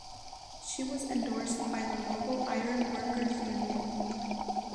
She was endorsed by the local Iron Workers Union.